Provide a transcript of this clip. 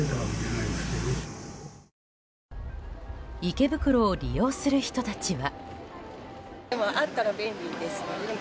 池袋を利用する人たちは。